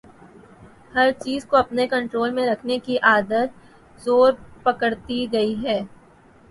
ہر چیز کو اپنے کنٹرول میں رکھنے کی عادت زور پکڑتی گئی ہے۔